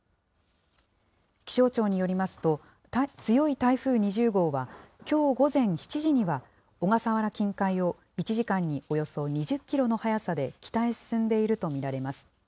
気象庁によりますと、強い台風２０号は、きょう午前７時には小笠原近海を１時間におよそ２０キロの速さで北へ進んでいると見られます。